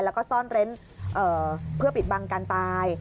แล้วก็ซ่อนเร้นเพื่อปิดบังการตาย